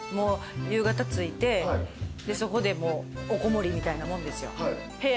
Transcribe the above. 夕方着いてでそこでおこもりみたいなもんですよ。